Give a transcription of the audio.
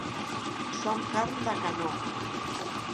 Som carn de canó.